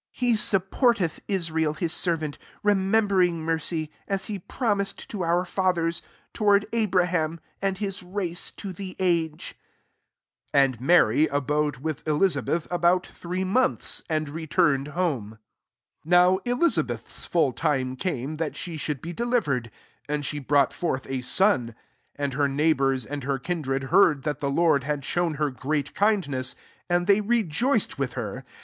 54 He supftortet Israel his servant, remembering mercy y 55 (as he promised to ou fithersy) towards Abrahamy an his race to the age 56 Am Mary abode with Elizabeth ab<m three monthsy and returned homk lyt J^W Elizabeth*sfuU tim camcy that she should be deliverer and she brought forth a son* 5 And her neighbours and her hh dred heard that the Lord ha shown her great kindness; an they rejoiced with her.